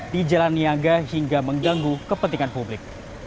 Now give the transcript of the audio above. di jalan niaga hingga mengganggu kepentingan publik